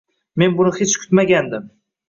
Men buni hech kutmagandim.